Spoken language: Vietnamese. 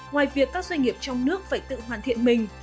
ngoài việc các doanh nghiệp trong nước phải tự hoàn thiện mình